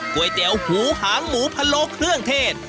ก๋วยเตี๋ยวหูหางหมูพะโลเครื่องเทศ